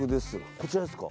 こちらですか？